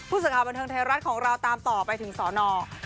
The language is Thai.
ผู้สังความบันเทิงไทยรัฐของเราตามต่อไปถึงสอนอล